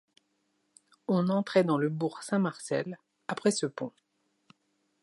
On entrait dans le bourg Saint-Marcel après ce pont.